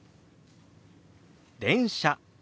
「電車」。